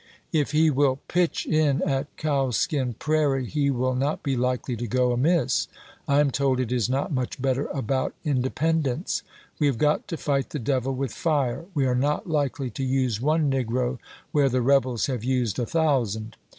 If he will pitch in at Cowskin Prairie he will not be likely to go amiss. I am told it is not much better about Inde to ^oin, pendence. We have got to fight the devil with fire. i862.^*w^'r. We are not likely to use one negro where the rebels ^ p! fss^'' have used a thousand."